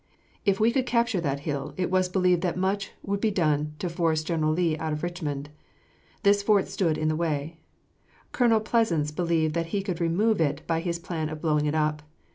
If we could capture that hill, it was believed that much would be done to force General Lee out of Richmond. This fort stood in the way. Colonel Pleasants believed that he could remove it by his plan of blowing it up.